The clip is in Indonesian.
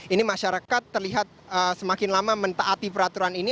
ini masyarakat terlihat semakin lama mentaati peraturan ini